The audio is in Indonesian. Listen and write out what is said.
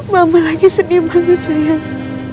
mama lagi sedih banget sayang